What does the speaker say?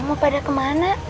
emang mau pada kemana